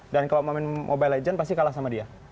dan kalau memain mobile legends pasti kalah sama dia